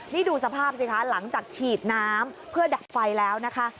นี่ดูสภาพสิคะหลังจากฉีดน้ำเพื่อดับไฟแล้วนะคะ